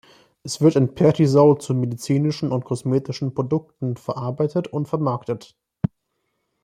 Es wird in Pertisau zu medizinischen und kosmetischen Produkten verarbeitet und vermarktet.